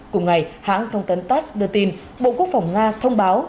cùng ngày hãng thông tấn tass đưa tin bộ quốc phòng nga thông báo